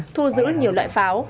thu giữ nhiều loại pháo